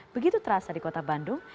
begitu terasa di kota bandung